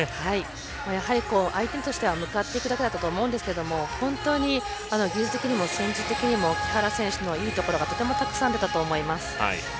やはり相手としては向かっていくだけだったと思うんですが本当に技術的にも戦術的にも木原選手のいいところがたくさん出たと思います。